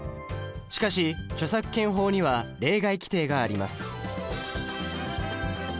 しかし著作権法には例外規定があります。